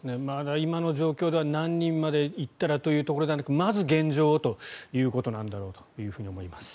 今の状況では何人まで行ったらというところですがまず現状をということなんだろうと思います。